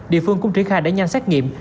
địa phương cũng triển khai để nhanh xét nghiệm